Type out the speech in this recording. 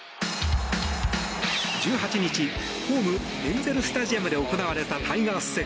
１８日、ホームエンゼル・スタジアムで行われたタイガース戦。